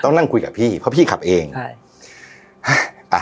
ต้องนั่งคุยกับพี่เพราะพี่ขับเองใช่